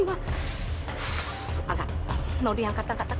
angkat mau diangkat